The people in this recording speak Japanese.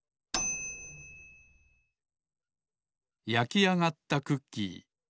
やきあがったクッキー